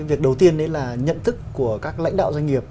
việc đầu tiên đấy là nhận thức của các lãnh đạo doanh nghiệp